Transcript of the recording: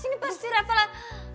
ini pasti reva lah